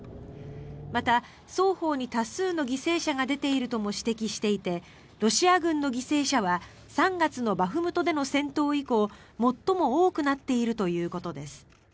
また、双方に多数の犠牲者が出ているとも指摘していてロシア軍の犠牲者は３月のバフムトでの戦闘以降最も多くなっているということです。